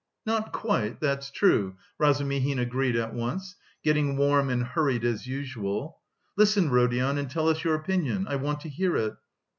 "Not quite, that's true," Razumihin agreed at once, getting warm and hurried as usual. "Listen, Rodion, and tell us your opinion, I want to hear it.